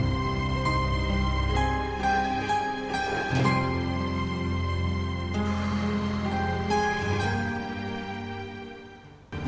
aku mau bercerai